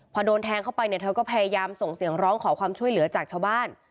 พอโดนแทงเข้าไปเนี่ยเธอก็พยายามส่งเสียงร้องขอความช่วยเหลือจากชาวบ้าน